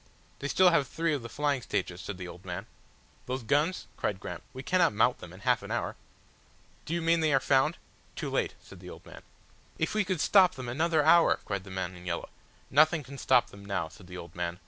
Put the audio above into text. "They still have three of the flying stages," said the old man. "Those guns?" cried Graham. "We cannot mount them in half an hour." "Do you mean they are found?" "Too late," said the old man. "If we could stop them another hour!" cried the man in yellow. "Nothing can stop them now," said the old man.